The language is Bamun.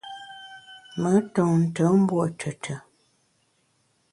Me ntonte mbuo tùtù.